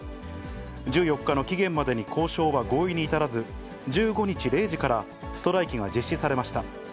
１４日の期限までに交渉は合意に至らず、１５日０時からストライキが実施されました。